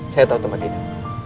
saya tau tempat itu